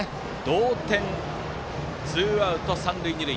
同点、ツーアウト三塁二塁。